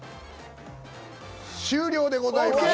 終了でございます。